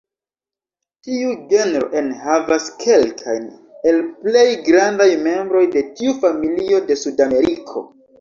Tiu genro enhavas kelkajn el plej grandaj membroj de tiu familio de Sudameriko.